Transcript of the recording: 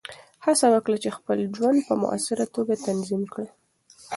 هڅه وکړه چې خپل ژوند په مؤثره توګه تنظیم کړې.